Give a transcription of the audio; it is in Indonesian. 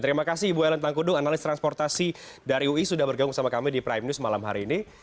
terima kasih ibu ellen tangkudung analis transportasi dari ui sudah bergabung sama kami di prime news malam hari ini